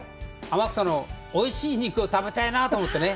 天草のおいしい肉を食べたいなぁと思ってね。